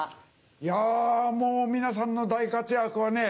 いやもう皆さんの大活躍はね